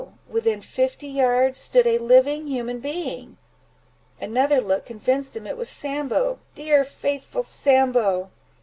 within fifty yards, stood a living human being!—another look convinced him it was Sambo—dear, faithful Sambo.